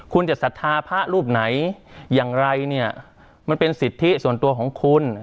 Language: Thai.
คุณจะศรัทธาพระรูปไหนอย่างไรเนี่ยมันเป็นสิทธิส่วนตัวของคุณ